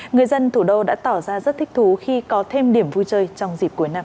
người dân thủ đô đã tỏ ra rất thích thú khi có thêm điểm vui chơi trong dịp cuối năm